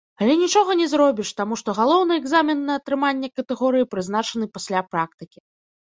Але нічога не зробіш, таму што галоўны экзамен на атрыманне катэгорыі прызначаны пасля практыкі.